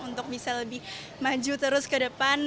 untuk bisa lebih maju terus ke depan